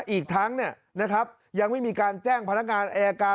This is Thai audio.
อีกทั้งนะครับยังไม่มีการแจ้งพนักงานแอร์การ